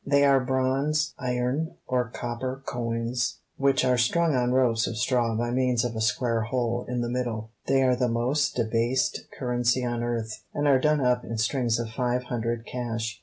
"They are bronze, iron, or copper coins, which are strung on ropes of straw by means of a square hole in the middle. They are the most debased currency on earth, and are done up in strings of five hundred cash.